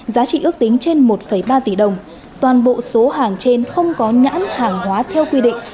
giá trị ước tính trên một ba tỷ đồng toàn bộ số hàng trên không có nhãn hàng hóa theo quy định